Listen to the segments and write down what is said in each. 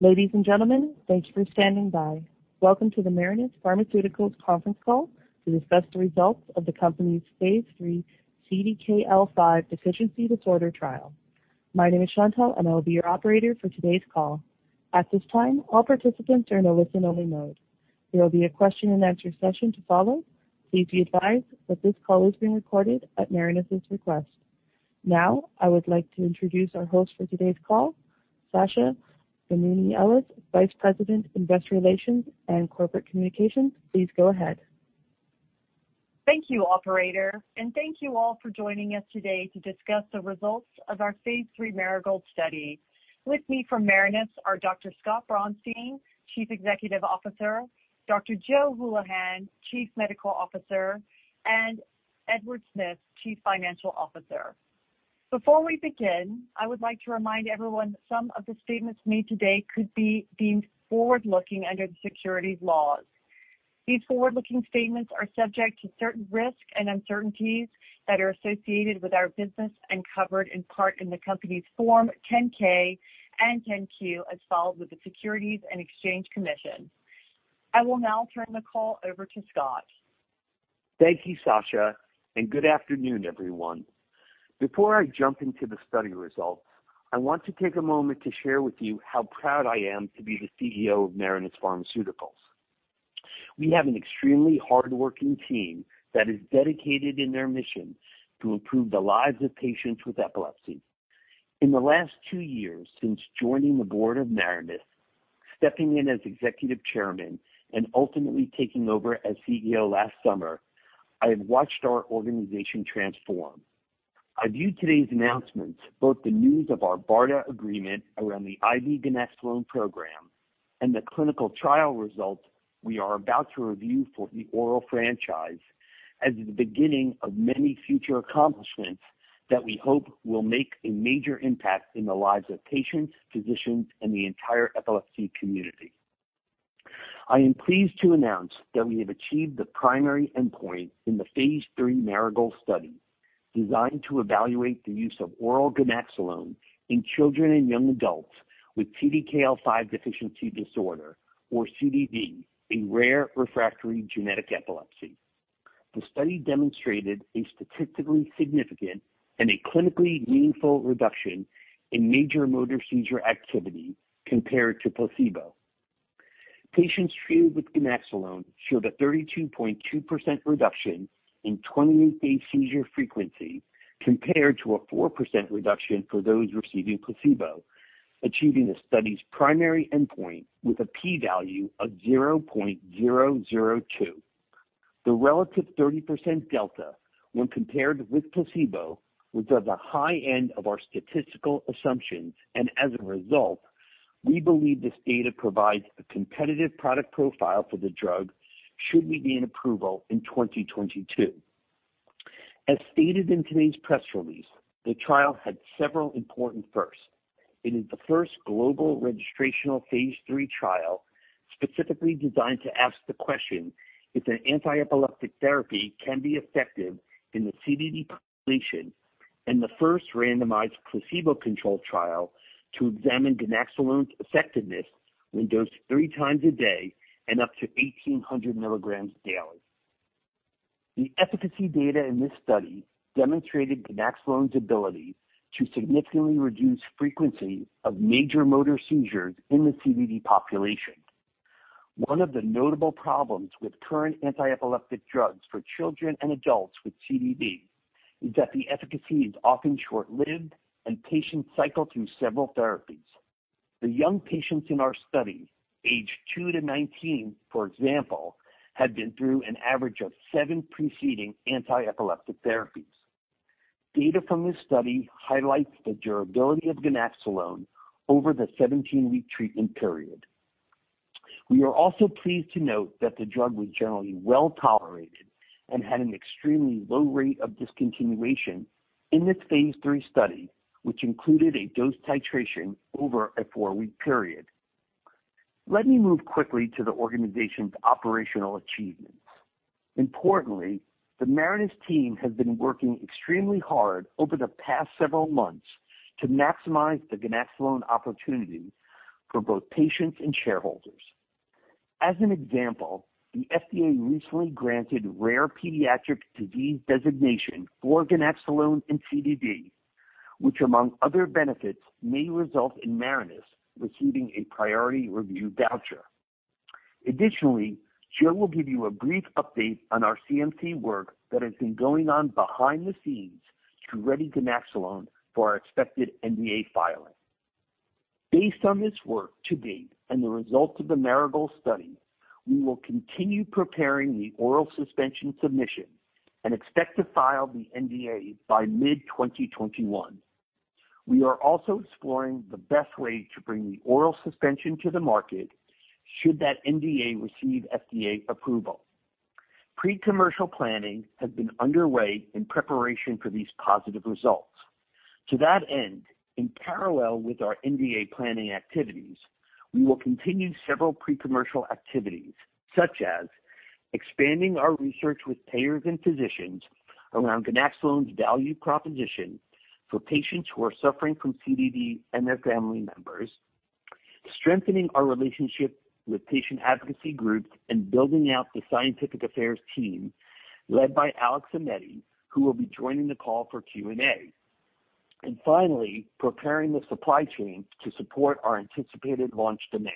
Ladies and gentlemen, thank you for standing by. Welcome to the Marinus Pharmaceuticals conference call to discuss the results of the company's phase III CDKL5 Deficiency Disorder Trial. My name is Chantelle, and I'll be your operator for today's call. At this time, all participants are in a listen-only mode. There will be a question and answer session to follow. Please be advised that this call is being recorded at Marinus's request. Now, I would like to introduce our host for today's call, Sasha Menounos, Vice President, Investor Relations and Corporate Communications. Please go ahead. Thank you, operator, and thank you all for joining us today to discuss the results of our phase III Marigold study. With me from Marinus are Dr. Scott Braunstein, Chief Executive Officer, Dr. Joseph Hulihan, Chief Medical Officer, and Edward Smith, Chief Financial Officer. Before we begin, I would like to remind everyone that some of the statements made today could be deemed forward-looking under the securities laws. These forward-looking statements are subject to certain risks and uncertainties that are associated with our business and covered in part in the company's Form 10-K and 10-Q as filed with the Securities and Exchange Commission. I will now turn the call over to Scott. Thank you, Sasha, and good afternoon, everyone. Before I jump into the study results, I want to take a moment to share with you how proud I am to be the CEO of Marinus Pharmaceuticals. We have an extremely hardworking team that is dedicated in their mission to improve the lives of patients with epilepsy. In the last two years since joining the board of Marinus, stepping in as executive chairman, and ultimately taking over as CEO last summer, I have watched our organization transform. I view today's announcements, both the news of our BARDA agreement around the IV ganaxolone program and the clinical trial result we are about to review for the oral franchise, as the beginning of many future accomplishments that we hope will make a major impact in the lives of patients, physicians, and the entire epilepsy community. I am pleased to announce that we have achieved the primary endpoint in the phase III Marigold study, designed to evaluate the use of oral ganaxolone in children and young adults with CDKL5 deficiency disorder, or CDD, a rare refractory genetic epilepsy. The study demonstrated a statistically significant and a clinically meaningful reduction in major motor seizure activity compared to placebo. Patients treated with ganaxolone showed a 32.2% reduction in 28-day seizure frequency compared to a 4% reduction for those receiving placebo, achieving the study's primary endpoint with a p-value of 0.002. The relative 30% delta when compared with placebo was at the high end of our statistical assumptions. As a result, we believe this data provides a competitive product profile for the drug should we gain approval in 2022. As stated in today's press release, the trial had several important firsts. It is the first global registrational phase III trial specifically designed to ask the question if an anti-epileptic therapy can be effective in the CDD population and the first randomized placebo-controlled trial to examine ganaxolone's effectiveness when dosed 3x a day and up to 1,800 mg daily. The efficacy data in this study demonstrated ganaxolone's ability to significantly reduce frequency of major motor seizures in the CDD population. One of the notable problems with current anti-epileptic drugs for children and adults with CDD is that the efficacy is often short-lived and patients cycle through several therapies. The young patients in our study, aged two to 19, for example, had been through an average of seven preceding anti-epileptic therapies. Data from this study highlights the durability of ganaxolone over the 17-week treatment period. We are also pleased to note that the drug was generally well-tolerated and had an extremely low rate of discontinuation in this phase III study, which included a dose titration over a four-week period. Let me move quickly to the organization's operational achievements. Importantly, the Marinus team has been working extremely hard over the past several months to maximize the ganaxolone opportunity for both patients and shareholders. As an example, the FDA recently granted Rare Pediatric Disease Designation for ganaxolone in CDD, which among other benefits, may result in Marinus receiving a Priority Review Voucher. Additionally, Joe will give you a brief update on our CMC work that has been going on behind the scenes to ready ganaxolone for our expected NDA filing. Based on this work to date and the results of the Marigold study, we will continue preparing the oral suspension submission and expect to file the NDA by mid-2021. We are also exploring the best way to bring the oral suspension to the market should that NDA receive FDA approval. Pre-commercial planning has been underway in preparation for these positive results. To that end, in parallel with our NDA planning activities, we will continue several pre-commercial activities, such as expanding our research with payers and physicians around ganaxolone's value proposition for patients who are suffering from CDD and their family members. Strengthening our relationship with patient advocacy groups and building out the scientific affairs team led by Alex Aimetti, who will be joining the call for Q&A. Finally, preparing the supply chain to support our anticipated launch demand.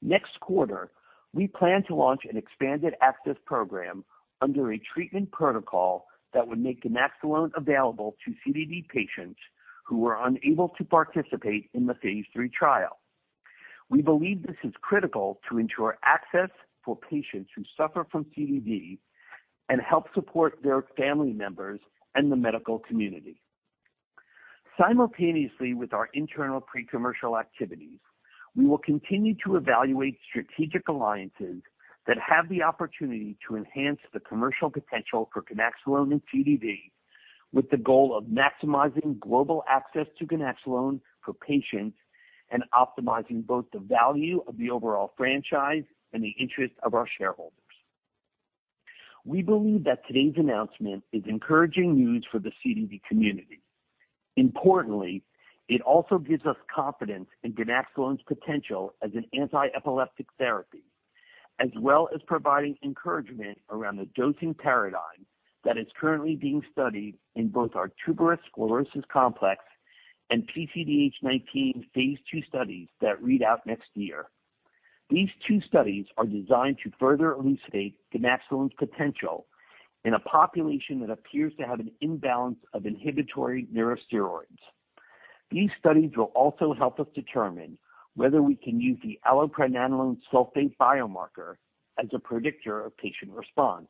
Next quarter, we plan to launch an expanded access program under a treatment protocol that would make ganaxolone available to CDD patients who are unable to participate in the phase III trial. We believe this is critical to ensure access for patients who suffer from CDD and help support their family members and the medical community. Simultaneously, with our internal pre-commercial activities, we will continue to evaluate strategic alliances that have the opportunity to enhance the commercial potential for ganaxolone in CDD with the goal of maximizing global access to ganaxolone for patients and optimizing both the value of the overall franchise and the interest of our shareholders. We believe that today's announcement is encouraging news for the CDD community. Importantly, it also gives us confidence in ganaxolone's potential as an anti-epileptic therapy, as well as providing encouragement around the dosing paradigm that is currently being studied in both our Tuberous Sclerosis Complex and PCDH19 phase II studies that read out next year. These two studies are designed to further elucidate ganaxolone's potential in a population that appears to have an imbalance of inhibitory neurosteroids. These studies will also help us determine whether we can use the allopregnanolone sulfate biomarker as a predictor of patient response.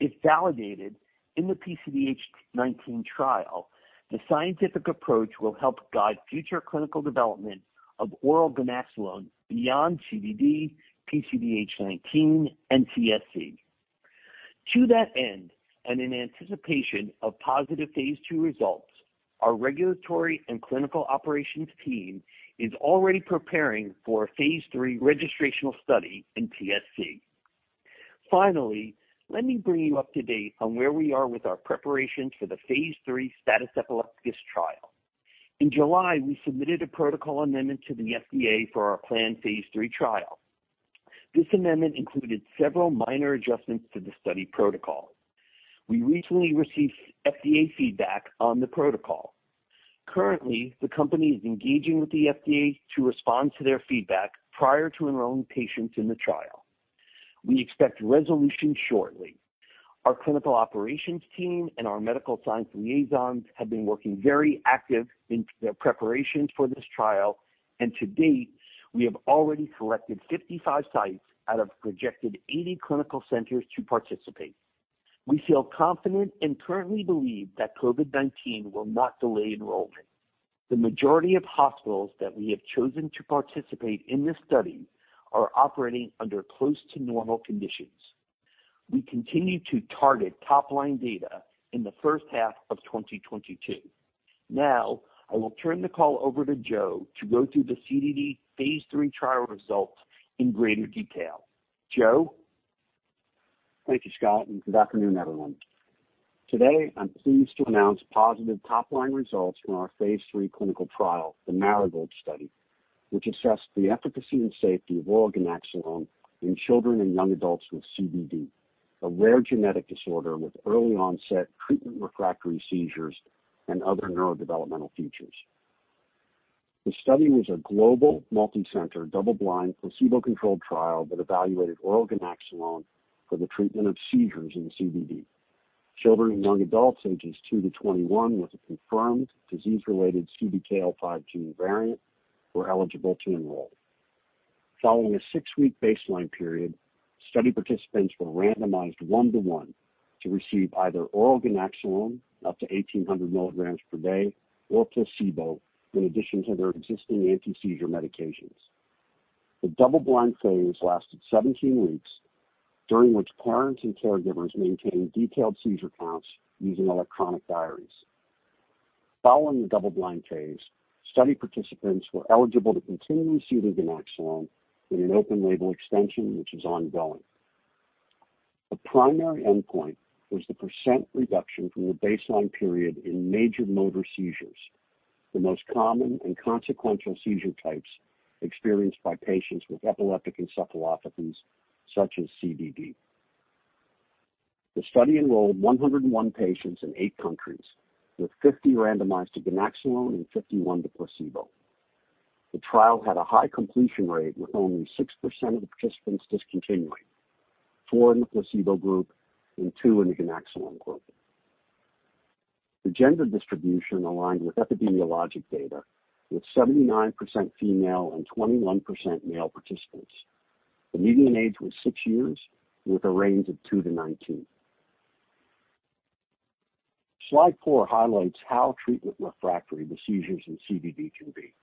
If validated in the PCDH19 trial, the scientific approach will help guide future clinical development of oral ganaxolone beyond CDD, PCDH19, and TSC. To that end, and in anticipation of positive phase II results, our regulatory and clinical operations team is already preparing for a phase III registrational study in TSC. Finally, let me bring you up to date on where we are with our preparations for the phase III status epilepticus trial. In July, we submitted a protocol amendment to the FDA for our planned phase III trial. This amendment included several minor adjustments to the study protocol. We recently received FDA feedback on the protocol. Currently, the company is engaging with the FDA to respond to their feedback prior to enrolling patients in the trial. We expect resolution shortly. Our clinical operations team and our medical science liaisons have been working very active in their preparations for this trial, and to date, we have already selected 55 sites out of projected 80 clinical centers to participate. We feel confident and currently believe that COVID-19 will not delay enrollment. The majority of hospitals that we have chosen to participate in this study are operating under close to normal conditions. We continue to target top-line data in the first half of 2022. I will turn the call over to Joe to go through the CDD phase III trial results in greater detail. Joe? Thank you, Scott. Good afternoon, everyone. Today, I'm pleased to announce positive top-line results from our phase III clinical trial, the Marigold study, which assessed the efficacy and safety of oral ganaxolone in children and young adults with CDD, a rare genetic disorder with early-onset treatment-refractory seizures and other neurodevelopmental features. The study was a global, multicenter, double-blind, placebo-controlled trial that evaluated oral ganaxolone for the treatment of seizures in CDD. Children and young adults ages two to 21 with a confirmed disease-related CDKL5 gene variant were eligible to enroll. Following a six-week baseline period, study participants were randomized 1:1 to receive either oral ganaxolone up to 1,800 mg per day or placebo, in addition to their existing anti-seizure medications. The double-blind phase lasted 17 weeks, during which parents and caregivers maintained detailed seizure counts using electronic diaries. Following the double-blind phase, study participants were eligible to continue receiving ganaxolone in an open-label extension, which is ongoing. The primary endpoint was the percent reduction from the baseline period in major motor seizures, the most common and consequential seizure types experienced by patients with epileptic encephalopathies such as CDD. The study enrolled 101 patients in eight countries, with 50 randomized to ganaxolone and 51 to placebo. The trial had a high completion rate, with only 6% of the participants discontinuing, four in the placebo group and two in the ganaxolone group. The gender distribution aligned with epidemiologic data, with 79% female and 21% male participants. The median age was six years, with a range of two to 19. Slide four highlights how treatment-refractory the seizures in CDD can be.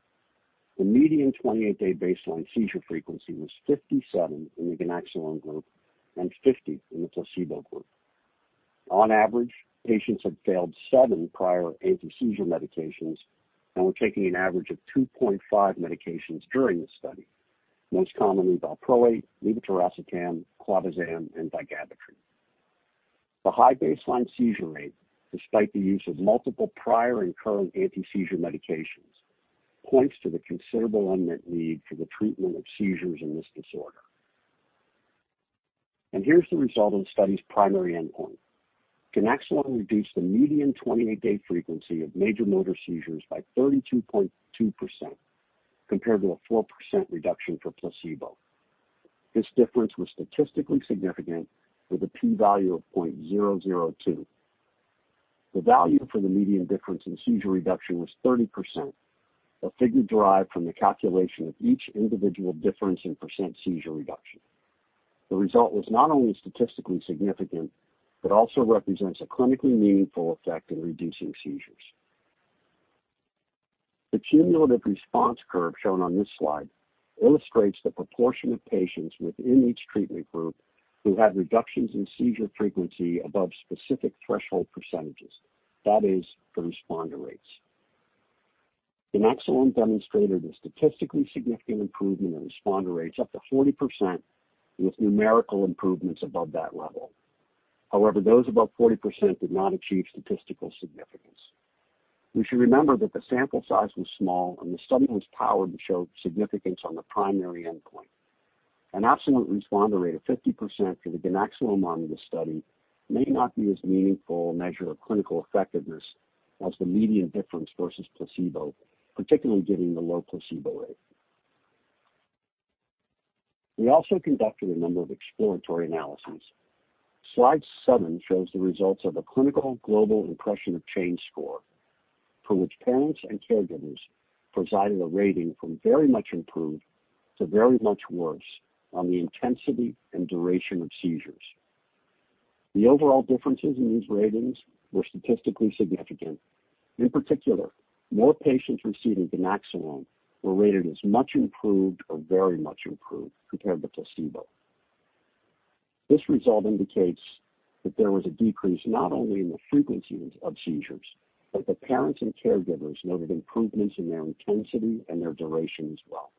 The median 28-day baseline seizure frequency was 57 in the ganaxolone group and 50 in the placebo group. On average, patients had failed seven prior anti-seizure medications and were taking an average of 2.5 medications during the study. Most commonly valproate, levetiracetam, clobazam, and vigabatrin. The high baseline seizure rate, despite the use of multiple prior and current anti-seizure medications, points to the considerable unmet need for the treatment of seizures in this disorder. Here's the result of the study's primary endpoint. ganaxolone reduced the median 28-day frequency of major motor seizures by 32.2%, compared to a 4% reduction for placebo. This difference was statistically significant with a p-value of 0.002. The value for the median difference in seizure reduction was 30%, a figure derived from the calculation of each individual difference in percent seizure reduction. The result was not only statistically significant, but also represents a clinically meaningful effect in reducing seizures. The cumulative response curve shown on this slide illustrates the proportion of patients within each treatment group who had reductions in seizure frequency above specific threshold percentages. That is, the responder rates. ganaxolone demonstrated a statistically significant improvement in responder rates up to 40%, with numerical improvements above that level. Those above 40% did not achieve statistical significance. We should remember that the sample size was small, and the study was powered to show significance on the primary endpoint. An absolute responder rate of 50% for the ganaxolone arm of the study may not be as meaningful measure of clinical effectiveness as the median difference versus placebo, particularly given the low placebo rate. We also conducted a number of exploratory analyses. Slide seven shows the results of the Clinical Global Impression of Change score, for which parents and caregivers provided a rating from very much improved to very much worse on the intensity and duration of seizures. The overall differences in these ratings were statistically significant. In particular, more patients receiving ganaxolone were rated as much improved or very much improved compared with placebo. This result indicates that there was a decrease not only in the frequency of seizures, but the parents and caregivers noted improvements in their intensity and their duration as well.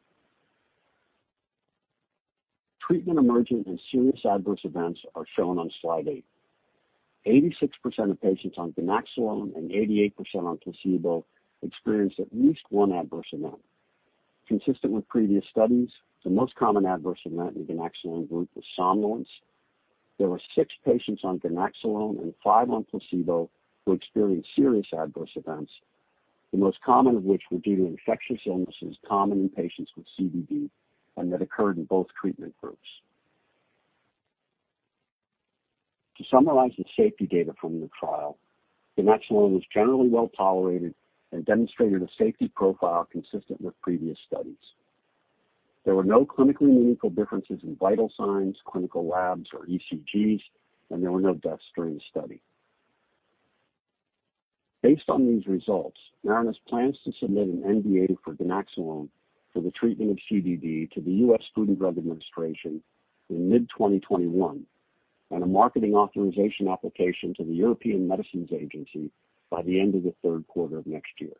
Treatment-emergent and serious adverse events are shown on slide eight. 86% of patients on ganaxolone and 88% on placebo experienced at least one adverse event. Consistent with previous studies, the most common adverse event in ganaxolone group was somnolence. There were six patients on ganaxolone and five on placebo who experienced serious adverse events, the most common of which were due to infectious illnesses common in patients with CDD and that occurred in both treatment groups. To summarize the safety data from the trial, ganaxolone was generally well-tolerated and demonstrated a safety profile consistent with previous studies. There were no clinically meaningful differences in vital signs, clinical labs, or ECG, and there were no deaths during the study. Based on these results, Marinus plans to submit an NDA for ganaxolone for the treatment of CDD to the U.S. Food and Drug Administration in mid-2021, and a Marketing Authorisation Application to the European Medicines Agency by the end of the third quarter of next year.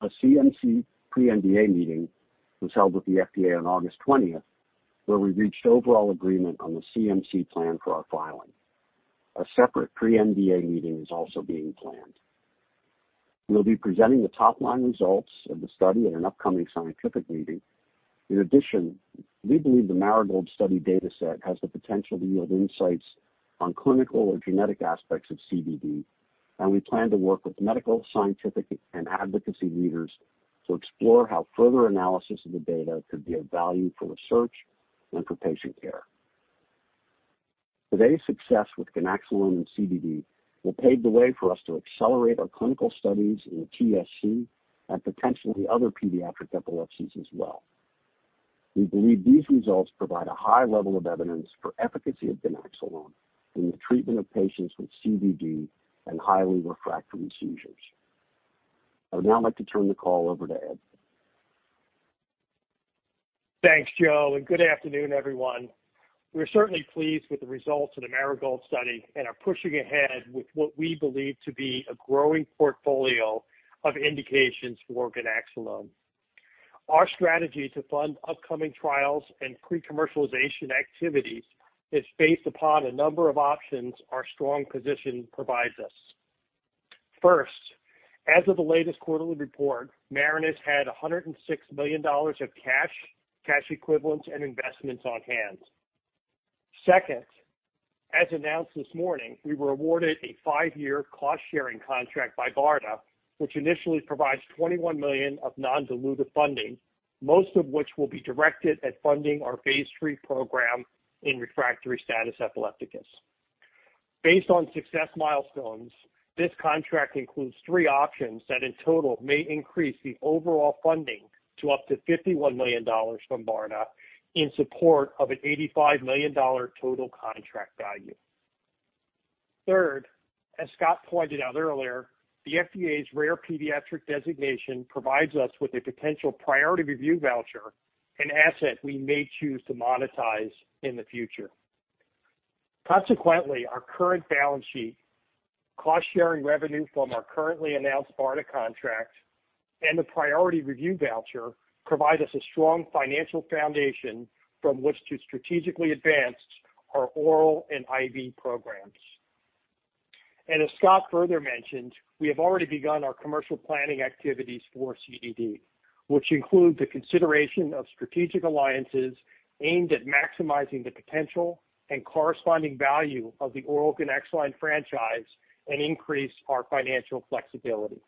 A CMC pre-NDA meeting was held with the FDA on August 20th, where we reached overall agreement on the CMC plan for our filing. A separate pre-NDA meeting is also being planned. We'll be presenting the top-line results of the study at an upcoming scientific meeting. We believe the Marigold study data set has the potential to yield insights on clinical or genetic aspects of CDD, and we plan to work with medical, scientific, and advocacy leaders to explore how further analysis of the data could be of value for research and for patient care. Today's success with ganaxolone and CDD will pave the way for us to accelerate our clinical studies in TSC and potentially other pediatric epilepsies as well. We believe these results provide a high level of evidence for efficacy of ganaxolone in the treatment of patients with CDD and highly refractory seizures. I would now like to turn the call over to Edward. Thanks, Joe. Good afternoon, everyone. We are certainly pleased with the results of the Marigold study and are pushing ahead with what we believe to be a growing portfolio of indications for ganaxolone. Our strategy to fund upcoming trials and pre-commercialization activities is based upon a number of options our strong position provides us. First, as of the latest quarterly report, Marinus had $106 million of cash equivalents, and investments on hand. Second, as announced this morning, we were awarded a five-year cost-sharing contract by BARDA, which initially provides $21 million of non-dilutive funding, most of which will be directed at funding our phase III program in refractory status epilepticus. Based on success milestones, this contract includes three options that in total may increase the overall funding to up to $51 million from BARDA in support of an $85 million total contract value. Third, as Scott pointed out earlier, the FDA's Rare Pediatric Disease Designation provides us with a potential Priority Review Voucher and asset we may choose to monetize in the future. Consequently, our current balance sheet, cost-sharing revenue from our currently announced BARDA contract, and the Priority Review Voucher provide us a strong financial foundation from which to strategically advance our oral and IV programs. As Scott further mentioned, we have already begun our commercial planning activities for CDD, which include the consideration of strategic alliances aimed at maximizing the potential and corresponding value of the oral ganaxolone franchise and increase our financial flexibility.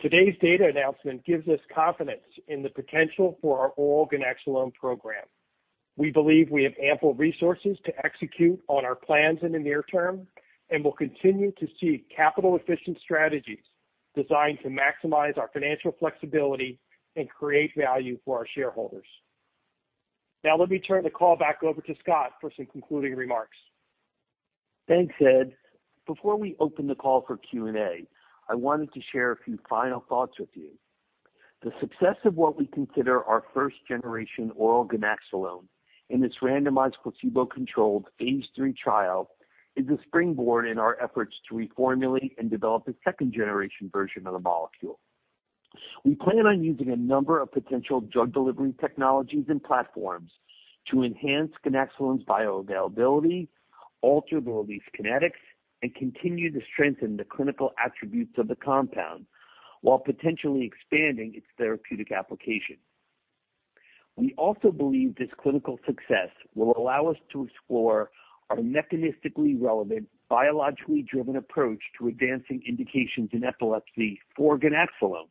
Today's data announcement gives us confidence in the potential for our oral ganaxolone program. We believe we have ample resources to execute on our plans in the near term and will continue to seek capital-efficient strategies designed to maximize our financial flexibility and create value for our shareholders. Now let me turn the call back over to Scott for some concluding remarks. Thanks, Ed. Before we open the call for Q&A, I wanted to share a few final thoughts with you. The success of what we consider our first-generation oral ganaxolone in this randomized, placebo-controlled phase III trial is a springboard in our efforts to reformulate and develop a second-generation version of the molecule. We plan on using a number of potential drug delivery technologies and platforms to enhance ganaxolone's bioavailability, alter the release kinetics, and continue to strengthen the clinical attributes of the compound while potentially expanding its therapeutic application. We also believe this clinical success will allow us to explore our mechanistically relevant, biologically driven approach to advancing indications in epilepsy for ganaxolone.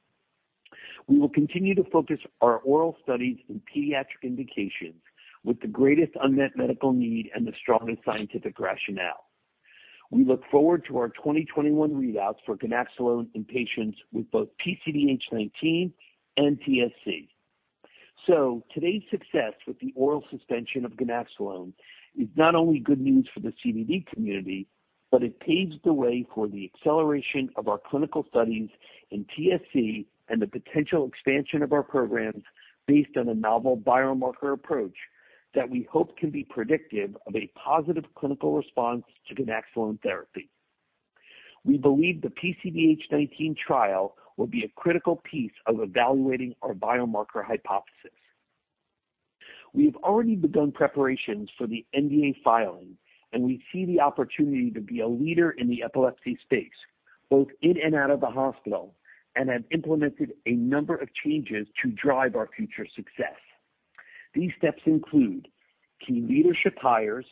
We will continue to focus our oral studies in pediatric indications with the greatest unmet medical need and the strongest scientific rationale. We look forward to our 2021 readouts for ganaxolone in patients with both PCDH19 and TSC. Today's success with the oral suspension of ganaxolone is not only good news for the CDD community, but it paves the way for the acceleration of our clinical studies in TSC and the potential expansion of our programs based on a novel biomarker approach that we hope can be predictive of a positive clinical response to ganaxolone therapy. We believe the PCDH19 trial will be a critical piece of evaluating our biomarker hypothesis. We have already begun preparations for the NDA filing, and we see the opportunity to be a leader in the epilepsy space, both in and out of the hospital, and have implemented a number of changes to drive our future success. These steps include key leadership hires,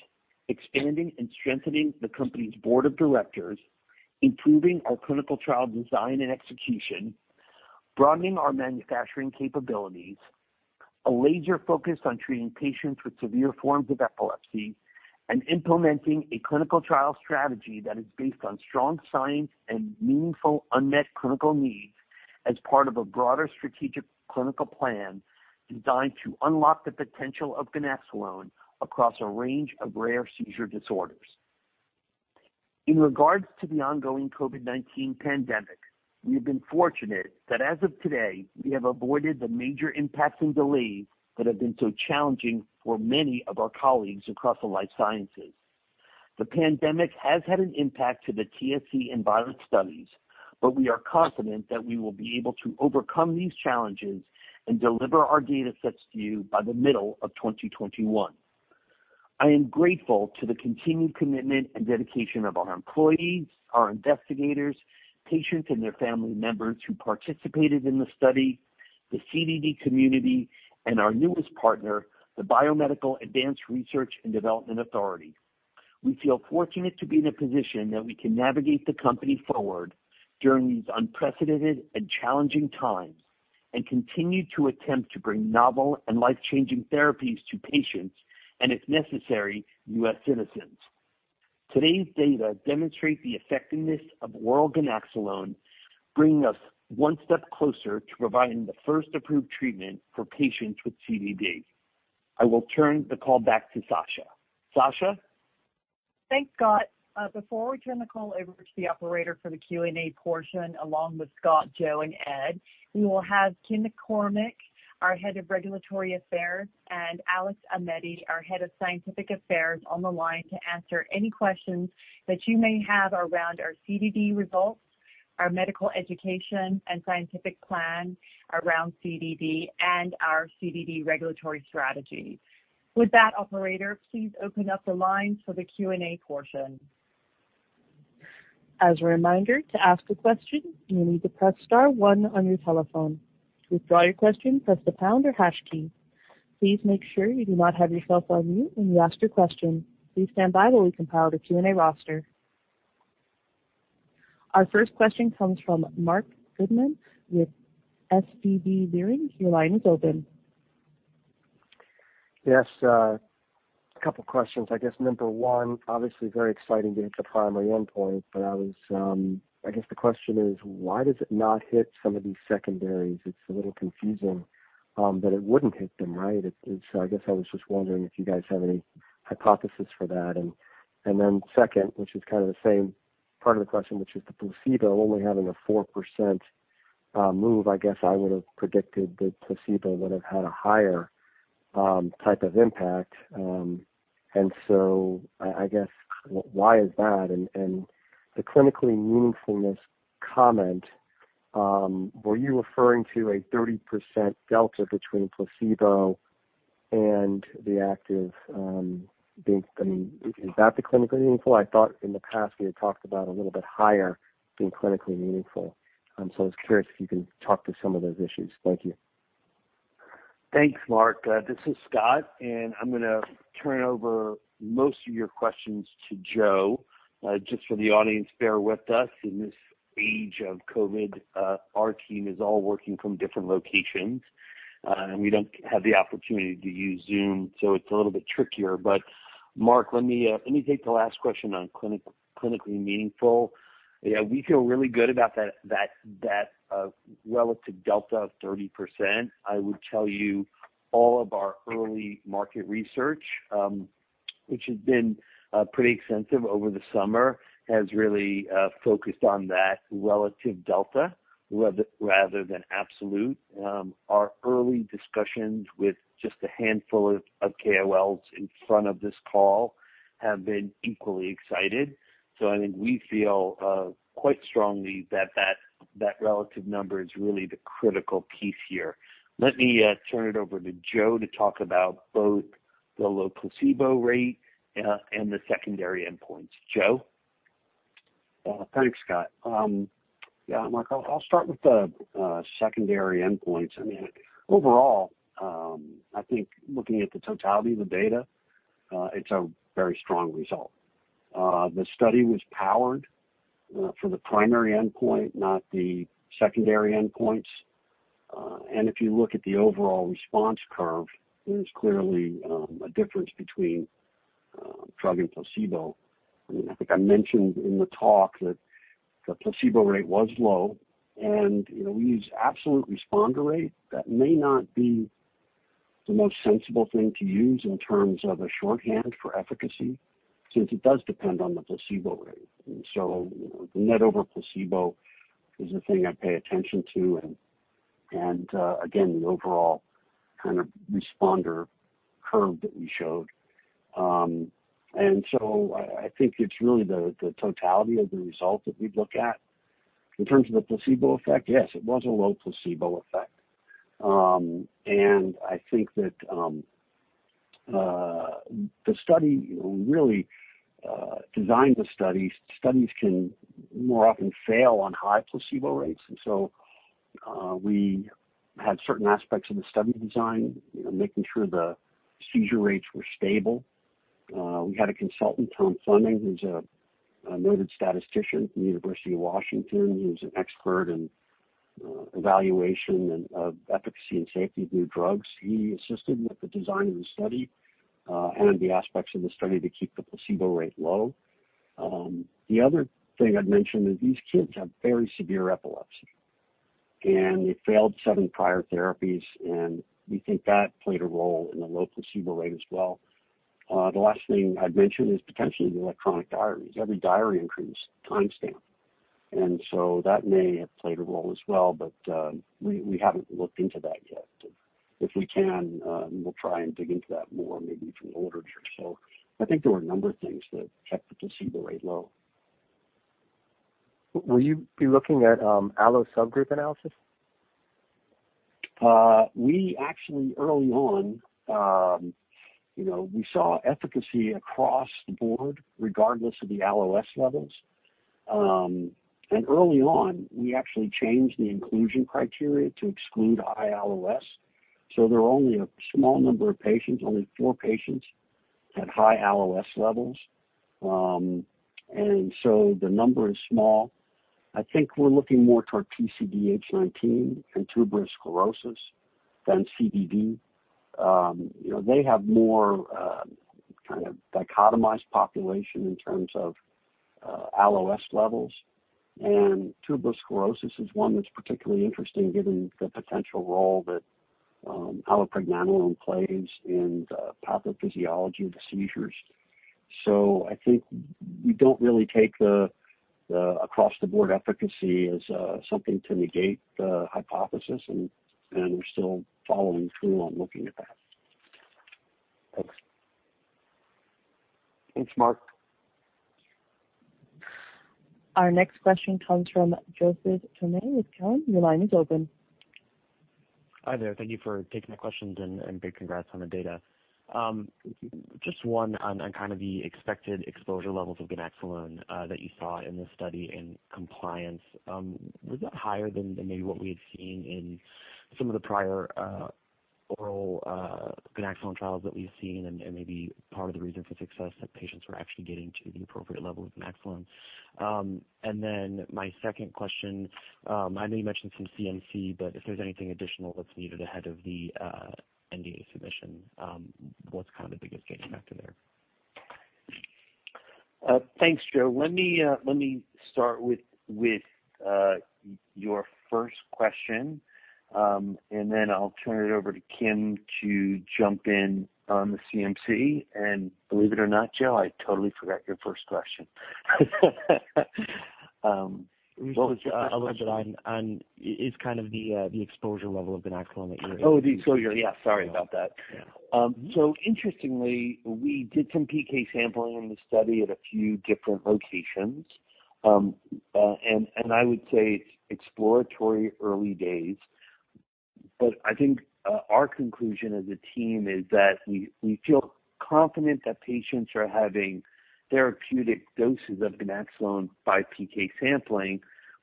expanding and strengthening the company's board of directors, improving our clinical trial design and execution, broadening our manufacturing capabilities, a laser focus on treating patients with severe forms of epilepsy, and implementing a clinical trial strategy that is based on strong science and meaningful unmet clinical needs as part of a broader strategic clinical plan designed to unlock the potential of ganaxolone across a range of rare seizure disorders. In regards to the ongoing COVID-19 pandemic, we have been fortunate that as of today, we have avoided the major impacts and delays that have been so challenging for many of our colleagues across the life sciences. The pandemic has had an impact to the TSC and viral studies. We are confident that we will be able to overcome these challenges and deliver our data sets to you by the middle of 2021. I am grateful to the continued commitment and dedication of our employees, our investigators, patients, and their family members who participated in the study, the CDD community, and our newest partner, the Biomedical Advanced Research and Development Authority. We feel fortunate to be in a position that we can navigate the company forward during these unprecedented and challenging times and continue to attempt to bring novel and life-changing therapies to patients and, if necessary, U.S. citizens. Today's data demonstrate the effectiveness of oral ganaxolone, bringing us one step closer to providing the first approved treatment for patients with CDD. I will turn the call back to Sasha. Sasha? Thanks, Scott. Before we turn the call over to the operator for the Q&A portion, along with Scott, Joe, and Ed, we will have Kimberly McCormick, our Head of Regulatory Affairs, and Alex Aimetti, our Head of Scientific Affairs, on the line to answer any questions that you may have around our CDD results, our medical education and scientific plan around CDD, and our CDD regulatory strategy. With that, operator, please open up the lines for the Q&A portion. As a reminder, to ask a question, you will need to press star one on your telephone. To withdraw your question, press the pound or hash key. Please make sure you do not have yourself on mute when you ask your question. Please stand by while we compile the Q&A roster. Our first question comes from Marc Goodman with SVB Leerink. Your line is open. Yes. A couple questions. I guess number one, obviously very exciting to hit the primary endpoint. I guess the question is, why does it not hit some of these secondaries? It's a little confusing that it wouldn't hit them, right? I guess I was just wondering if you guys have any hypothesis for that. Then second, which is kind of the same part of the question, which is the placebo only having a 4% move. I guess I would have predicted that placebo would have had a higher type of impact. I guess, why is that? The clinically meaningfulness comment, were you referring to a 30% delta between placebo and the active? Is that the clinically meaningful? I thought in the past we had talked about a little bit higher being clinically meaningful. I was curious if you can talk to some of those issues. Thank you. Thanks, Marc. This is Scott, and I'm going to turn over most of your questions to Joe. Just for the audience, bear with us. In this age of COVID, our team is all working from different locations. We don't have the opportunity to use Zoom, it's a little bit trickier. Marc, let me take the last question on clinically meaningful. Yeah, we feel really good about that relative delta of 30%. I would tell you all of our early market research, which has been pretty extensive over the summer, has really focused on that relative delta rather than absolute. Our early discussions with just a handful of KOLs in front of this call have been equally excited. I think we feel quite strongly that that relative number is really the critical piece here. Let me turn it over to Joe to talk about both the low placebo rate and the secondary endpoints. Joe? Thanks, Scott. Yeah, Marc, I'll start with the secondary endpoints. Overall, I think looking at the totality of the data, it's a very strong result. The study was powered for the primary endpoint, not the secondary endpoints. If you look at the overall response curve, there's clearly a difference between drug and placebo. I think I mentioned in the talk that the placebo rate was low, and we use absolute responder rate. That may not be the most sensible thing to use in terms of a shorthand for efficacy, since it does depend on the placebo rate. The net over placebo is the thing I pay attention to, and again, the overall kind of responder curve that we showed. I think it's really the totality of the result that we'd look at. In terms of the placebo effect, yes, it was a low placebo effect. I think that the study really designed the studies. Studies can more often fail on high placebo rates. We had certain aspects of the study design, making sure the seizure rates were stable. We had a consultant, Thomas Fleming, who's a noted statistician from the University of Washington. He was an expert in evaluation of efficacy and safety of new drugs. He assisted with the design of the study and the aspects of the study to keep the placebo rate low. The other thing I'd mention is these kids have very severe epilepsy, and they failed seven prior therapies, and we think that played a role in the low placebo rate as well. The last thing I'd mention is potentially the electronic diaries. Every diary entry is timestamped. That may have played a role as well, but we haven't looked into that yet. If we can, we'll try and dig into that more, maybe from the literature. I think there were a number of things that kept the placebo rate low. Will you be looking at Allo subgroup analysis? We actually, early on, we saw efficacy across the board, regardless of the Allo-S levels. Early on, we actually changed the inclusion criteria to exclude high Allo-S. There are only a small number of patients, only four patients at high Allo-S levels. The number is small. I think we're looking more toward PCDH19 and Tuberous Sclerosis than CDD. They have more kind of dichotomized population in terms of Allo-S levels. Tuberous Sclerosis is one that's particularly interesting given the potential role that allopregnanolone plays in the pathophysiology of the seizures. I think we don't really take the across-the-board efficacy as something to negate the hypothesis, and we're still following through on looking at that. Thanks. Thanks, Marc. Our next question comes from Joseph Thome with Cowen. Your line is open. Hi there. Thank you for taking the questions and big congrats on the data. Just one on kind of the expected exposure levels of ganaxolone that you saw in this study and compliance. Was that higher than maybe what we had seen in some of the prior oral ganaxolone trials that we've seen and maybe part of the reason for success that patients were actually getting to the appropriate level of ganaxolone? My second question, I know you mentioned some CMC, but if there's anything additional that's needed ahead of the NDA submission, what's kind of the biggest gating factor there? Thanks, Joe. Let me start with your first question, and then I'll turn it over to Kim to jump in on the CMC. Believe it or not, Joe, I totally forgot your first question. Just a little bit on, is kind of the exposure level of ganaxolone that you're- Oh, the exposure. Yeah, sorry about that. Yeah. Interestingly, we did some PK sampling in the study at a few different locations. I would say it's exploratory early days, but I think our conclusion as a team is that we feel confident that patients are having therapeutic doses of ganaxolone by PK sampling.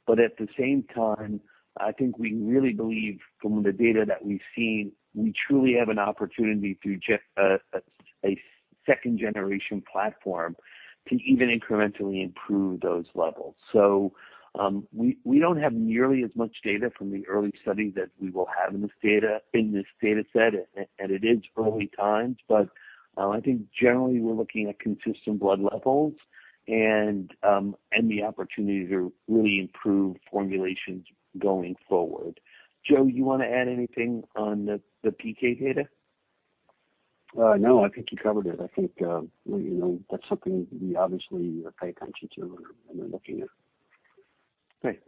At the same time, I think we really believe from the data that we've seen, we truly have an opportunity through a second-generation platform to even incrementally improve those levels. We don't have nearly as much data from the early study that we will have in this data set, and it is early times, but, I think generally we're looking at consistent blood levels and the opportunity to really improve formulations going forward. Joe, you want to add anything on the PK data? No, I think you covered it. I think that's something we obviously pay attention to and are looking at. Great.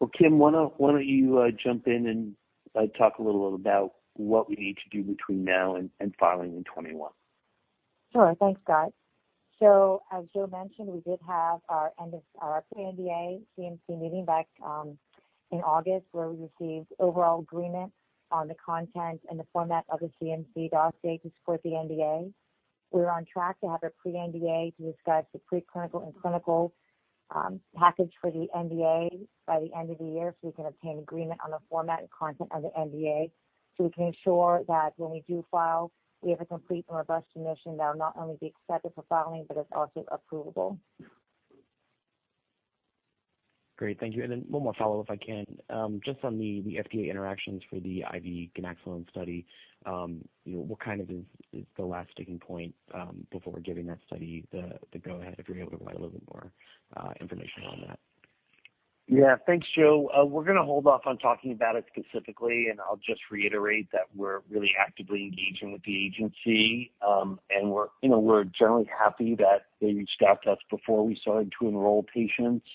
Well, Kim, why don't you jump in and talk a little about what we need to do between now and filing in 2021? Thanks, Scott. As Joe mentioned, we did have our pre-NDA CMC meeting back in August, where we received overall agreement on the content and the format of the CMC dossier to support the NDA. We are on track to have a pre-NDA to discuss the pre-clinical and clinical package for the NDA by the end of the year so we can obtain agreement on the format and content of the NDA, so we can ensure that when we do file, we have a complete and robust submission that will not only be accepted for filing but is also approvable. Great. Thank you. One more follow-up if I can. Just on the FDA interactions for the IV ganaxolone study. What kind of is the last sticking point, before giving that study the go ahead, if you're able to provide a little bit more information on that? Yeah. Thanks, Joe. We're gonna hold off on talking about it specifically. I'll just reiterate that we're really actively engaging with the agency. We're generally happy that they reached out to us before we started to enroll patients.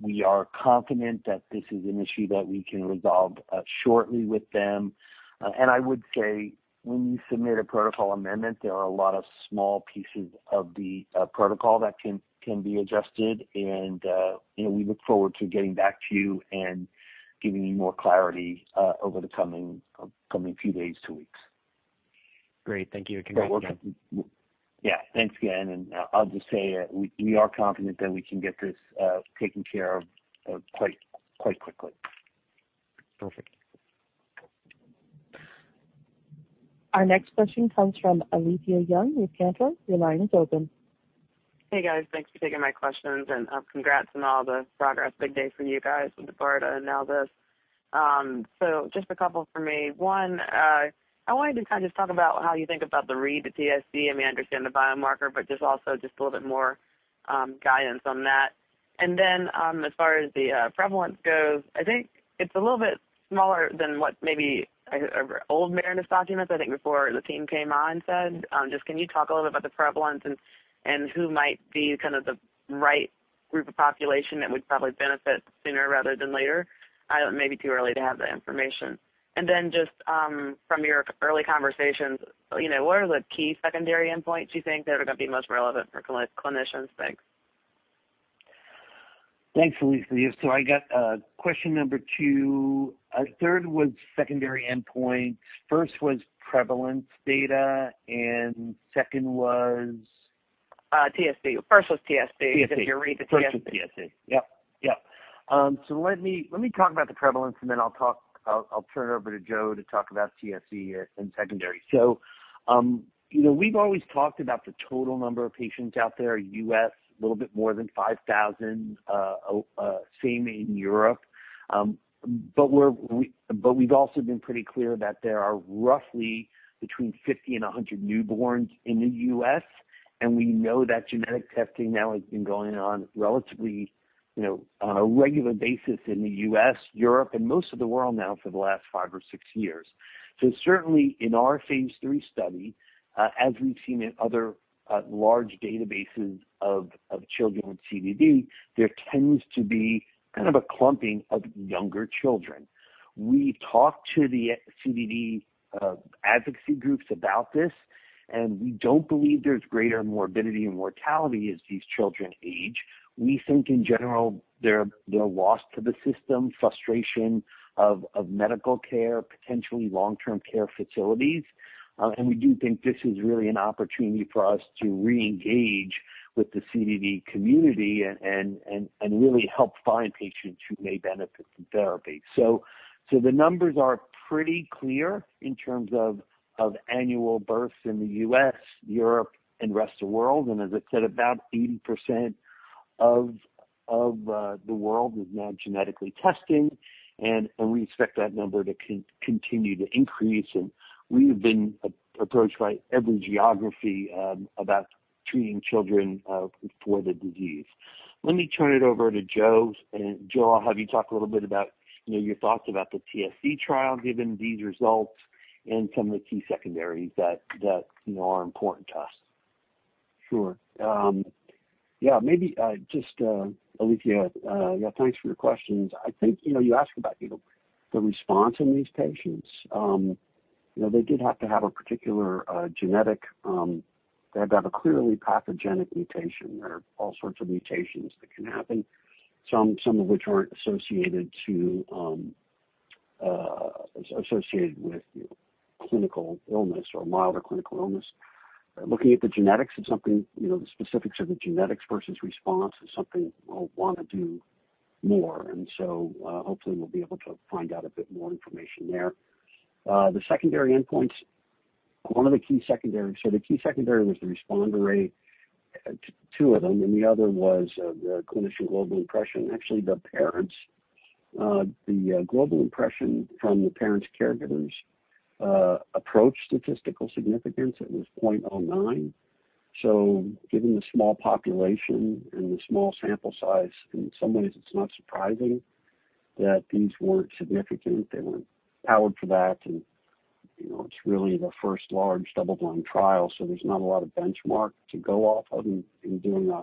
We are confident that this is an issue that we can resolve shortly with them. I would say when you submit a protocol amendment, there are a lot of small pieces of the protocol that can be adjusted and we look forward to getting back to you and giving you more clarity over the coming few days to weeks. Great. Thank you and congrats again. Yeah. Thanks again. I'll just say that we are confident that we can get this taken care of quite quickly. Perfect. Our next question comes from Alethia Young with Cantor. Your line is open. Hey, guys. Thanks for taking my questions and congrats on all the progress. Big day for you guys with the BARDA and now this. Just a couple from me. One, I wanted to kind of talk about how you think about the read, the TSC. I mean, I understand the biomarker, but just also just a little bit more guidance on that. As far as the prevalence goes, I think it's a little bit smaller than what maybe our old Marinus documents, I think, before the team came on, said. Just can you talk a little bit about the prevalence and who might be kind of the right group of population that would probably benefit sooner rather than later? It may be too early to have that information. Just from your early conversations, what are the key secondary endpoints you think that are going to be most relevant for clinicians? Thanks. Thanks, Alethia. I got question number two. Third was secondary endpoints. First was prevalence data, second was TSC. First was TSC. TSC. If you read the TSC. First was TSC. Yep. Yep. Let me talk about the prevalence, and then I'll turn it over to Joe to talk about TSC and secondary. We've always talked about the total number of patients out there, U.S., a little bit more than 5,000, same in Europe. We've also been pretty clear that there are roughly between 50 and 100 newborns in the U.S., and we know that genetic testing now has been going on relatively, on a regular basis in the U.S., Europe, and most of the world now for the last five or six years. Certainly in our phase III study, as we've seen in other large databases of children with CDD, there tends to be kind of a clumping of younger children. We've talked to the CDD advocacy groups about this, and we don't believe there's greater morbidity and mortality as these children age. We think in general, they're lost to the system, frustration of medical care, potentially long-term care facilities. We do think this is really an opportunity for us to reengage with the CDD community and really help find patients who may benefit from therapy. The numbers are pretty clear in terms of annual births in the U.S., Europe, and rest of world, and as I said, about 80% of the world is now genetically testing, and we expect that number to continue to increase. We have been approached by every geography about treating children for the disease. Let me turn it over to Joe, and Joe, I'll have you talk a little bit about your thoughts about the TSC trial given these results. Some of the key secondaries that are important to us. Sure. Maybe just, Alethia, thanks for your questions. I think you asked about the response in these patients. They had to have a clearly pathogenic mutation. There are all sorts of mutations that can happen, some of which aren't associated with clinical illness or milder clinical illness. Looking at the genetics of something, the specifics of the genetics versus response is something we'll want to do more. Hopefully, we'll be able to find out a bit more information there. The secondary endpoints, one of the key secondaries. The key secondary was the responder rate, two of them, and the other was the Clinical Global Impression. Actually, the parents. The global impression from the parents, caregivers, approached statistical significance. It was .09. Given the small population and the small sample size, in some ways it's not surprising that these weren't significant. They weren't powered for that. It's really the first large double-blind trial, so there's not a lot of benchmark to go off of in doing a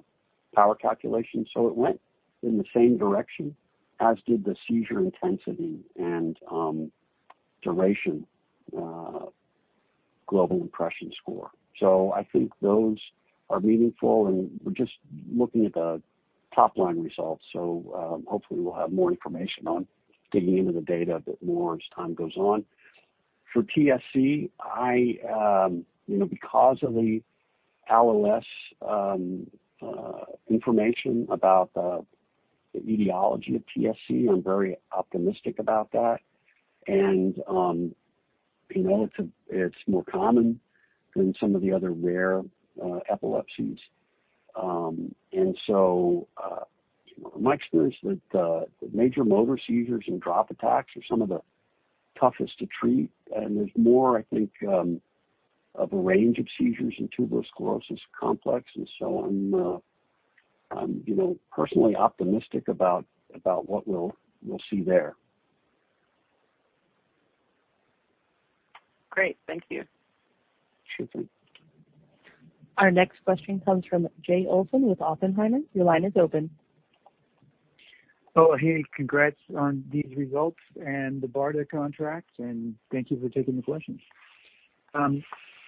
power calculation. It went in the same direction, as did the seizure intensity and duration global impression score. I think those are meaningful, and we're just looking at the top-line results. Hopefully we'll have more information on digging into the data a bit more as time goes on. For TSC, because of the Allo-S information about the etiology of TSC, I'm very optimistic about that. It's more common than some of the other rare epilepsies. My experience with major motor seizures and drop attacks are some of the toughest to treat, and there's more, I think, of a range of seizures in Tuberous Sclerosis Complex. I'm personally optimistic about what we'll see there. Great. Thank you. Sure thing. Our next question comes from Jay Olson with Oppenheimer. Your line is open. Hey, congrats on these results and the BARDA contract, thank you for taking the questions. Thanks,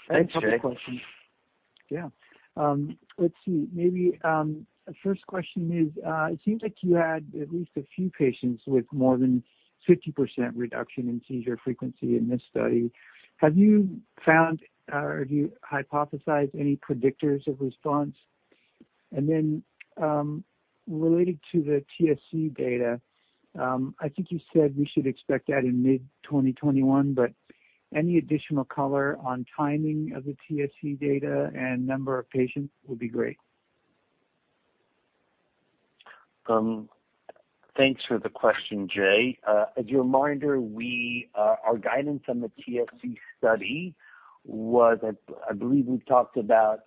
Jay. I have a couple questions. Yeah. Let's see. Maybe the first question is, it seems like you had at least a few patients with more than 50% reduction in seizure frequency in this study. Have you hypothesized any predictors of response? Related to the TSC data, I think you said we should expect that in mid-2021, but any additional color on timing of the TSC data and number of patients would be great. Thanks for the question, Jay. As a reminder, our guidance on the TSC study was, I believe we've talked about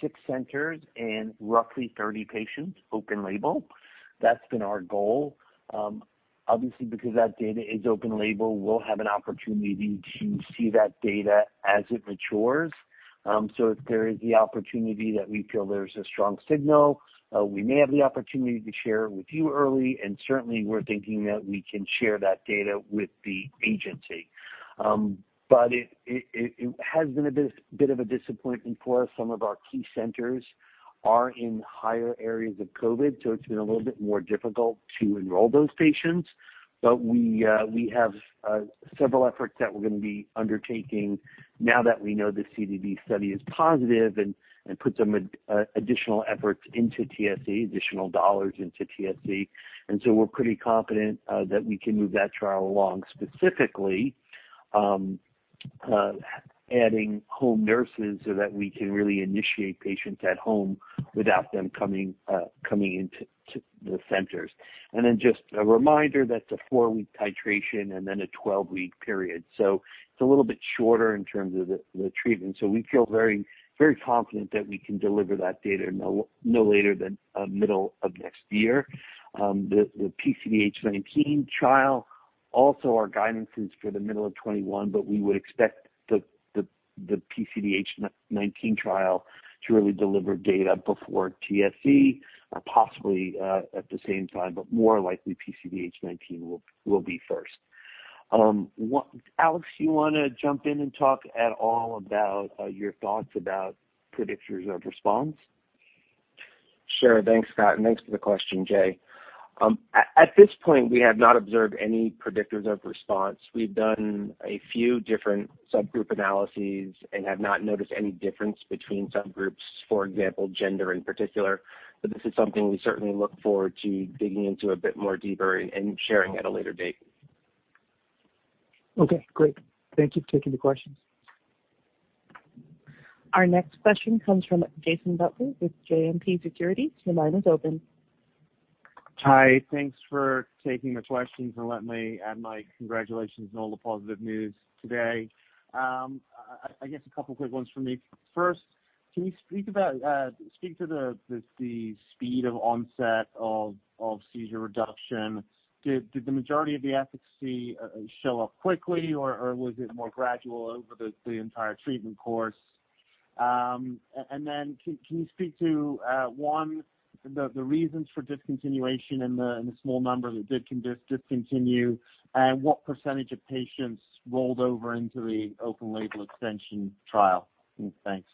six centers and roughly 30 patients, open label. That's been our goal. Obviously, because that data is open label, we'll have an opportunity to see that data as it matures. If there is the opportunity that we feel there's a strong signal, we may have the opportunity to share it with you early, and certainly, we're thinking that we can share that data with the agency. It has been a bit of a disappointment for us. Some of our key centers are in higher areas of COVID, so it's been a little bit more difficult to enroll those patients. We have several efforts that we're going to be undertaking now that we know the CDD study is positive and put some additional efforts into TSC, additional dollars into TSC. We're pretty confident that we can move that trial along, specifically, adding home nurses so that we can really initiate patients at home without them coming into the centers. Just a reminder, that's a four-week titration and then a 12-week period. It's a little bit shorter in terms of the treatment. We feel very confident that we can deliver that data no later than middle of next year. The PCDH19 trial, also our guidance is for the middle of 2021, but we would expect the PCDH19 trial to really deliver data before TSC, or possibly at the same time. More likely, PCDH19 will be first. Alex, you want to jump in and talk at all about your thoughts about predictors of response? Sure. Thanks, and thanks for the question, Jay. At this point, we have not observed any predictors of response. We've done a few different subgroup analyses and have not noticed any difference between subgroups, for example, gender in particular. This is something we certainly look forward to digging into a bit more deeper and sharing at a later date. Okay, great. Thank you for taking the questions. Our next question comes from Jason Butler with JMP Securities. Your line is open. Hi. Thanks for taking the questions. Let me add my congratulations on all the positive news today. I guess a couple quick ones from me. First, can you speak to the speed of onset of seizure reduction? Did the majority of the efficacy show up quickly, or was it more gradual over the entire treatment course? Can you speak to, one, the reasons for discontinuation in the small number that did discontinue, and what percentage of patients rolled over into the open-label extension trial? Thanks.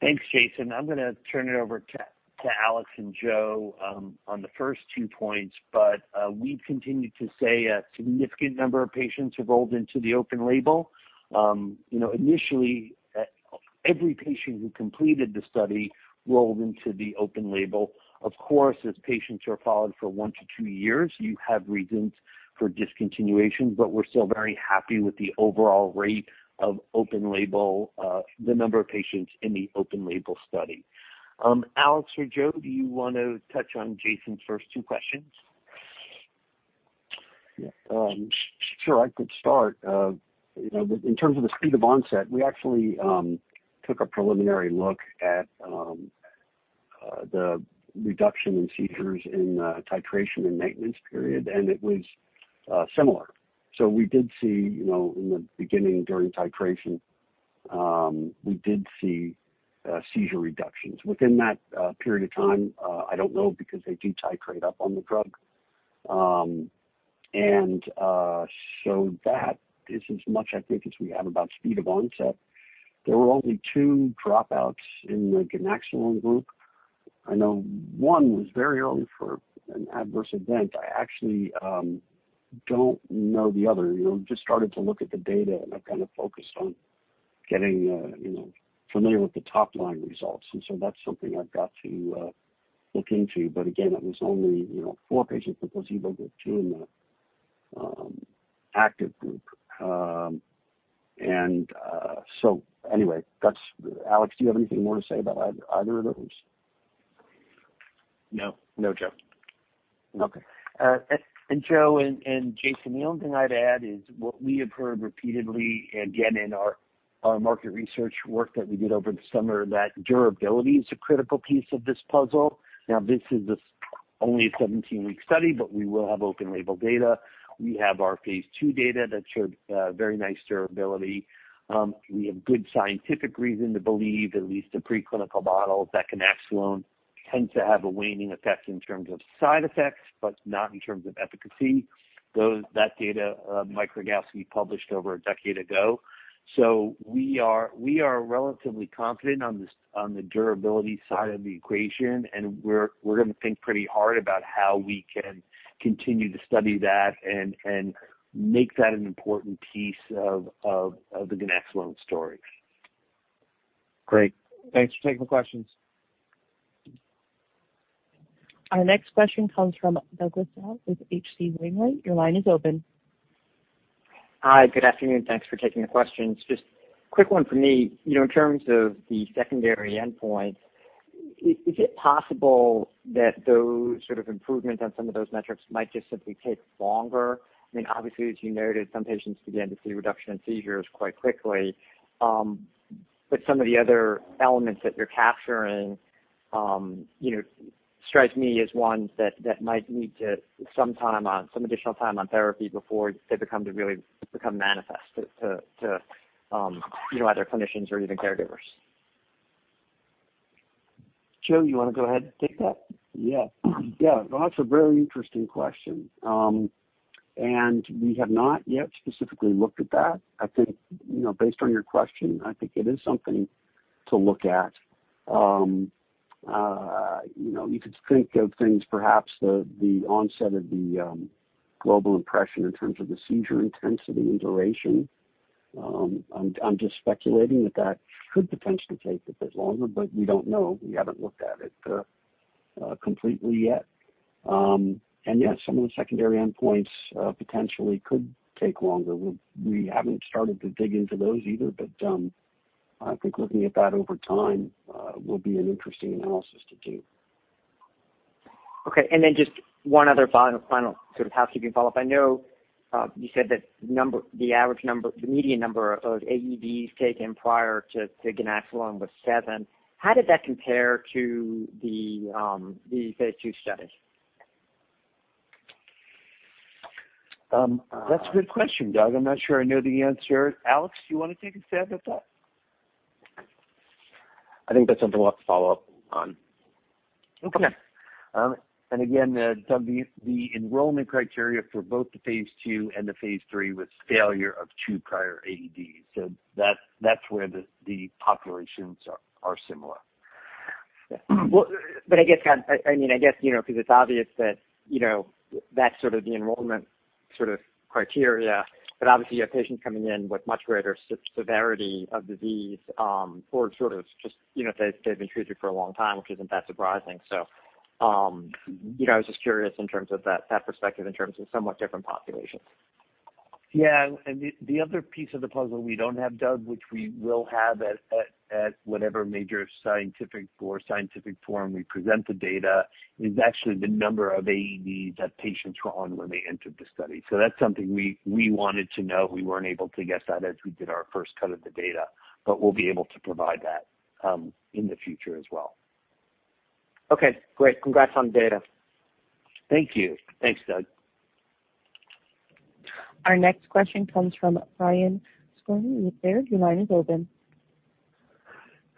Thanks, Jason. I'm going to turn it over to Alex and Joe on the first two points. We continue to say a significant number of patients have rolled into the open label. Initially, every patient who completed the study rolled into the open label. Of course, as patients are followed for one to two years, you have reasons for discontinuation, but we're still very happy with the overall rate of the number of patients in the open label study. Alex or Joe, do you want to touch on Jason's first two questions? Yeah. Sure, I could start. In terms of the speed of onset, we actually took a preliminary look at the reduction in seizures in the titration and maintenance period, it was similar. We did see, in the beginning, during titration, we did see seizure reductions. Within that period of time, I don't know because they do titrate up on the drug. That is as much, I think, as we have about speed of onset. There were only two dropouts in the ganaxolone group. I know one was very early for an adverse event. I actually don't know the other. Just started to look at the data, I've kind of focused on getting familiar with the top-line results, that's something I've got to look into. Again, it was only four patients with placebo with two in the active group. Anyway, Alex, do you have anything more to say about either of those? No. No, Joe. Okay. Joe and Jason, the only thing I'd add is what we have heard repeatedly, again, in our market research work that we did over the summer, that durability is a critical piece of this puzzle. This is only a 17-week study, but we will have open label data. We have our phase II data that showed very nice durability. We have good scientific reason to believe, at least a preclinical model, that ganaxolone tends to have a waning effect in terms of side effects, but not in terms of efficacy. That data, Michael Rogawski published over a decade ago. We are relatively confident on the durability side of the equation. We're going to think pretty hard about how we can continue to study that and make that an important piece of the ganaxolone story. Great. Thanks for taking the questions. Our next question comes from Douglas Tsao with H.C. Wainwright & Co. Your line is open. Hi, good afternoon. Thanks for taking the questions. Just a quick one from me. In terms of the secondary endpoint, is it possible that those sort of improvements on some of those metrics might just simply take longer? I mean, obviously, as you noted, some patients began to see a reduction in seizures quite quickly. But some of the other elements that you're capturing strike me as ones that might need some additional time on therapy before they become manifest to either clinicians or even caregivers. Joe, you want to go ahead and take that? Yeah. That's a very interesting question. We have not yet specifically looked at that. Based on your question, I think it is something to look at. You could think of things, perhaps the onset of the global impression in terms of the seizure intensity and duration. I'm just speculating that that could potentially take a bit longer, but we don't know. We haven't looked at it completely yet. Yeah, some of the secondary endpoints potentially could take longer. We haven't started to dig into those either, but I think looking at that over time will be an interesting analysis to do. Okay. Just one other final sort of housekeeping follow-up. I know you said that the median number of AEDs taken prior to ganaxolone was seven. How did that compare to the phase II study? That's a good question, Doug. I'm not sure I know the answer. Alex, do you want to take a stab at that? I think that's something we'll have to follow up on. Okay. Again, Doug, the enrollment criteria for both the phase II and the phase III was failure of two prior AEDs. That's where the populations are similar. I guess, because it's obvious that's sort of the enrollment criteria, but obviously, you have patients coming in with much greater severity of disease or they've been treated for a long time, which isn't that surprising. I was just curious in terms of that perspective, in terms of somewhat different populations. Yeah. The other piece of the puzzle we don't have, Doug, which we will have at whatever major scientific core scientific forum we present the data, is actually the number of AEDs that patients were on when they entered the study. That's something we wanted to know. We weren't able to get that as we did our first cut of the data, but we'll be able to provide that in the future as well. Okay, great. Congrats on the data. Thank you. Thanks, Doug. Our next question comes from Brian Skorney with Baird. Your line is open.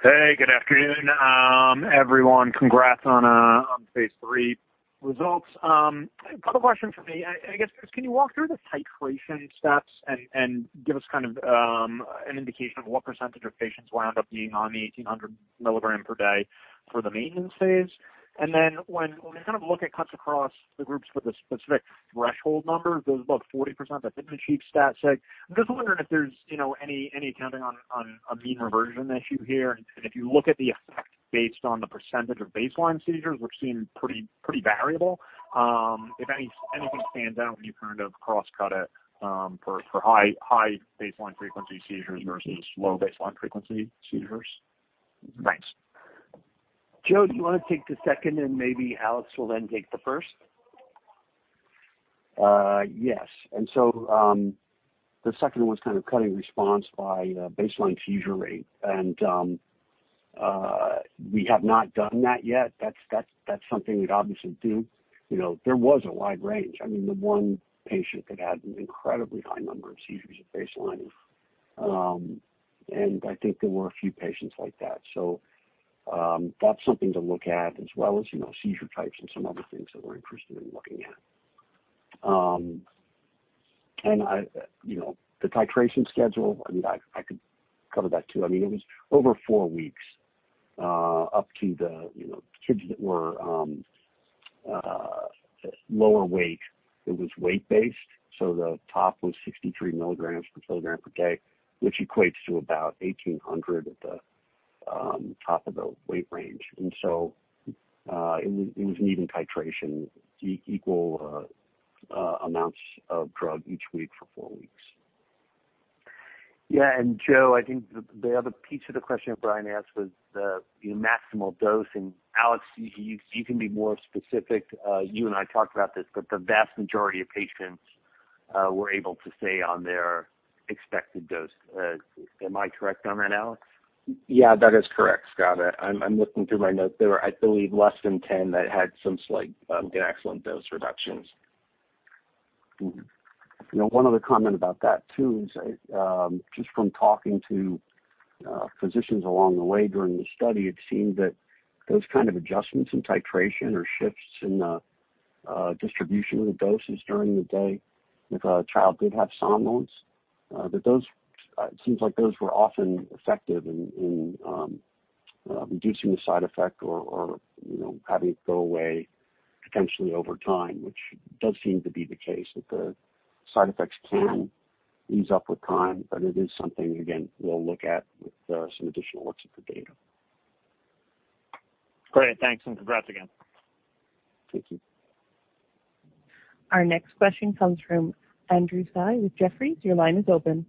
Hey, good afternoon, everyone. Congrats on the phase III results. A couple questions from me. I guess, can you walk through the titration steps and give us an indication of what percentage of patients wound up being on the 1,800 mg per day for the maintenance phase? When we look at cuts across the groups for the specific threshold number, the above 40% that didn't achieve stat sig, I'm just wondering if there's any counting on a mean reversion issue here. If you look at the effect based on the percentage of baseline seizures, which seem pretty variable, if anything stands out when you cross-cut it for high baseline frequency seizures versus low baseline frequency seizures. Thanks. Joe, do you want to take the second and maybe Alex will then take the first? Yes. The second one's cutting response by baseline seizure rate. We have not done that yet. That's something we'd obviously do. There was a wide range. I mean, the one patient that had an incredibly high number of seizures at baseline. I think there were a few patients like that. That's something to look at as well as seizure types and some other things that we're interested in looking at. The titration schedule, I could cover that, too. It was over four weeks up to the kids that were lower weight. It was weight-based, so the top was 63 milligrams per kilogram per day, which equates to about 1,800 at the top of the weight range. It was an even titration, equal amounts of drug each week for four weeks. Yeah. Joe, I think the other piece of the question that Brian asked was the maximal dose and Alex, you can be more specific. You and I talked about this, but the vast majority of patients were able to stay on their expected dose. Am I correct on that, Alex? Yeah, that is correct, Scott. I'm looking through my notes. There were, I believe, less than 10 that had some slight ganaxolone dose reductions. One other comment about that, too, is just from talking to physicians along the way during the study, it seemed that those kind of adjustments in titration or shifts in the distribution of the doses during the day, if a child did have somnolence, it seems like those were often effective in reducing the side effect or having it go away potentially over time, which does seem to be the case, that the side effects can ease up with time. It is something, again, we'll look at with some additional looks at the data. Great. Thanks. Congrats again. Thank you. Our next question comes from Andrew Tsai with Jefferies. Your line is open.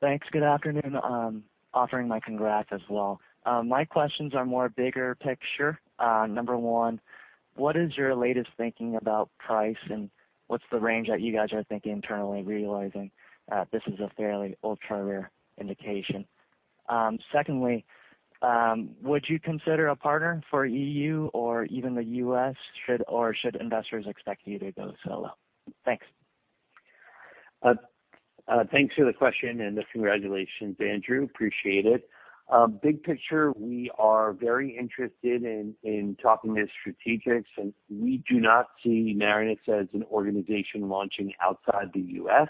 Thanks. Good afternoon. Offering my congrats as well. My questions are more bigger picture. Number one, what is your latest thinking about price and what's the range that you guys are thinking internally, realizing that this is a fairly ultra-rare indication? Secondly, would you consider a partner for EU or even the U.S., or should investors expect you to go solo? Thanks. Thanks for the question and the congratulations, Andrew. Appreciate it. Big picture, we are very interested in talking to strategics, and we do not see Marinus as an organization launching outside the U.S.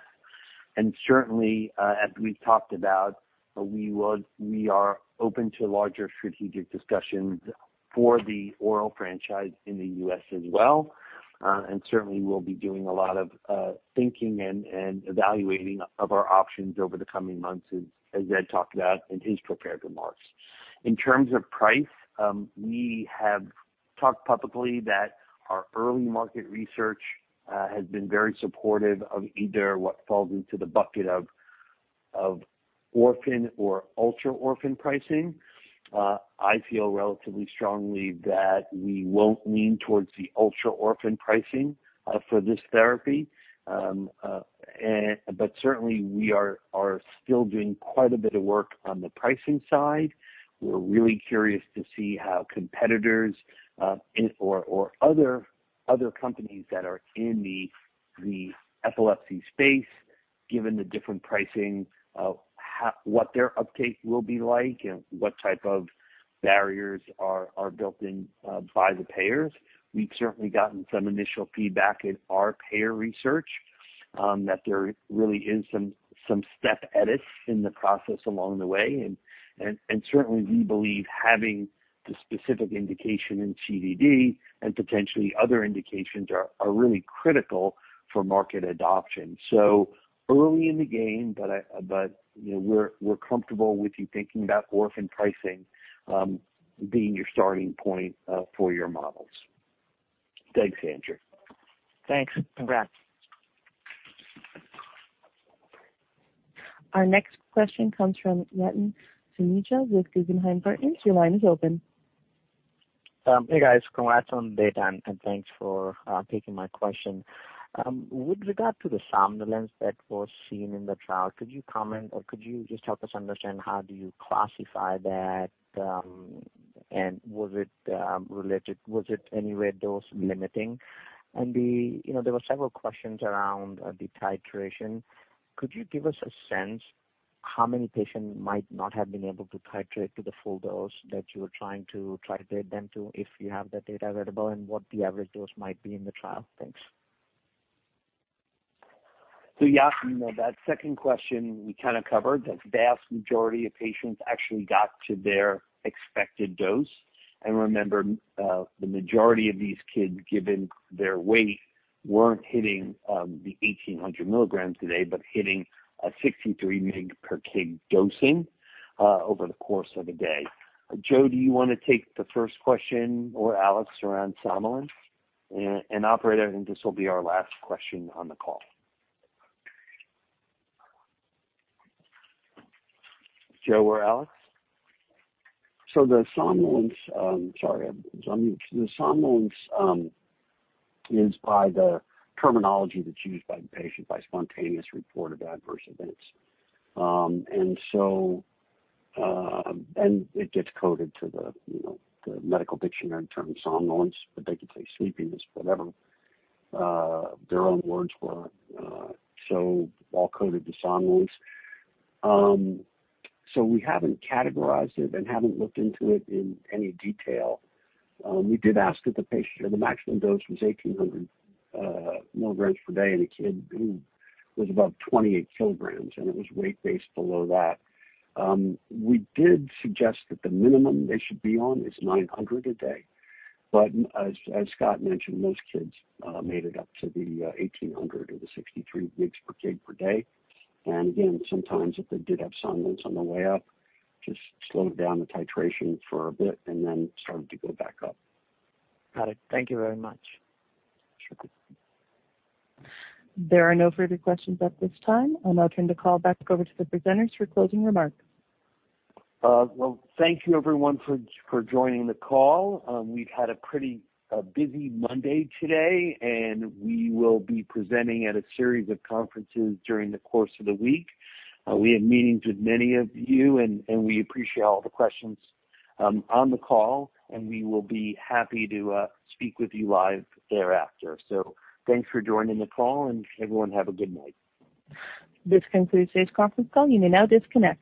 Certainly, as we've talked about, we are open to larger strategic discussions for the oral franchise in the U.S. as well. Certainly, we'll be doing a lot of thinking and evaluating of our options over the coming months, as Ed talked about in his prepared remarks. In terms of price, we have talked publicly that our early market research has been very supportive of either what falls into the bucket of orphan or ultra-orphan pricing. I feel relatively strongly that we won't lean towards the ultra-orphan pricing for this therapy. Certainly, we are still doing quite a bit of work on the pricing side. We're really curious to see how competitors or other companies that are in the epilepsy space, given the different pricing, what their uptake will be like and what type of barriers are built in by the payers. We've certainly gotten some initial feedback in our payer research that there really is some step edits in the process along the way, and certainly we believe having the specific indication in CDD and potentially other indications are really critical for market adoption. Early in the game, but we're comfortable with you thinking about orphan pricing being your starting point for your models. Thanks, Andrew. Thanks. Congrats. Our next question comes from Yatin Soni with Guggenheim Partners. Your line is open. Hey, guys. Congrats on the data, and thanks for taking my question. With regard to the somnolence that was seen in the trial, could you comment or could you just help us understand how do you classify that, and was it anywhere dose limiting? There were several questions around the titration. Could you give us a sense how many patients might not have been able to titrate to the full dose that you were trying to titrate them to, if you have that data available, and what the average dose might be in the trial? Thanks. Yeah, that second question we kind of covered. The vast majority of patients actually got to their expected dose. Remember, the majority of these kids, given their weight, weren't hitting the 1,800 mg a day, but hitting a 63 milligrams per kilogram dosing over the course of a day. Joe, do you want to take the first question, or Alex, around somnolence? Operator, I think this will be our last question on the call. Joe or Alex? The somnolence. Sorry, I'm on mute. The somnolence is by the terminology that's used by the patient, by spontaneous report of adverse events. It gets coded to the medical dictionary term, somnolence, but they could say sleepiness, whatever. Their own words were all coded to somnolence. We haven't categorized it and haven't looked into it in any detail. We did ask that the patient, the maximum dose was 1,800 milligrams per day in a kid who was above 28 kg, and it was weight-based below that. We did suggest that the minimum they should be on is 900 a day. As Scott mentioned, most kids made it up to the 1,800 or the 63 milligrams per kilogram per day. Again, sometimes if they did have somnolence on the way up, just slowed down the titration for a bit and then started to go back up. Got it. Thank you very much. Sure. There are no further questions at this time. I'll now turn the call back over to the presenters for closing remarks. Well, thank you everyone for joining the call. We've had a pretty busy Monday today, and we will be presenting at a series of conferences during the course of the week. We had meetings with many of you, and we appreciate all the questions on the call, and we will be happy to speak with you live thereafter. Thanks for joining the call, and everyone have a good night. This concludes today's conference call. You may now disconnect.